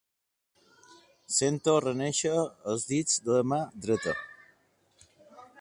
Sento renéixer els dits de la mà dreta.